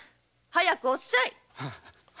早くおっしゃい！